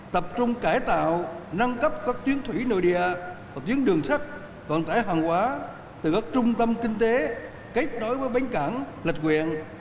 tập trung cải tạo nâng cấp các chuyến thủy nội địa và chuyến đường sách vận tải hàng hóa từ các trung tâm kinh tế kết nối với bến cảng lịch quyền